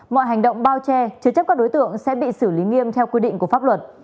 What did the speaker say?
mọi hành động bao che chứa chấp các đối tượng sẽ bị xử lý nghiêm theo quy định của pháp luật